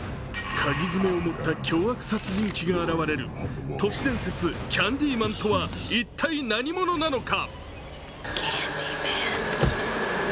かぎ爪を持った凶悪殺人鬼が現れる、都市伝説キャンディマンとは一体何者なのか？